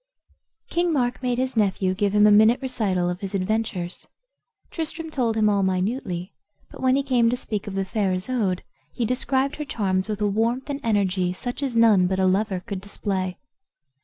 King Mark made his nephew give him a minute recital of his adventures. Tristram told him all minutely; but when he came to speak of the fair Isoude he described her charms with a warmth and energy such as none but a lover could display.